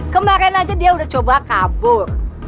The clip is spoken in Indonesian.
kemarin aja dia udah coba kabur